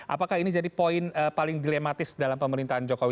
apakah ini jadi poin paling dilematis dalam pemerintahan jokowi